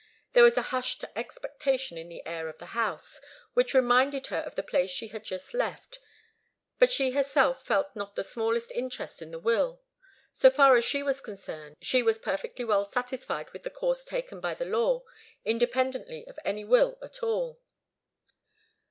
There was a hushed expectation in the air of the house, which reminded her of the place she had just left, but she herself felt not the smallest interest in the will. So far as she was concerned, she was perfectly well satisfied with the course taken by the law, independently of any will at all.